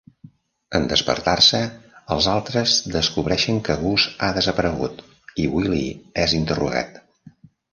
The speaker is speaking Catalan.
En despertar-se, els altres descobreixen que Gus ha desaparegut i Willi és interrogat.